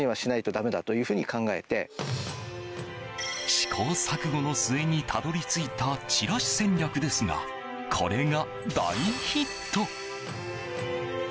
試行錯誤の末にたどり着いたチラシ戦略ですがこれが大ヒット。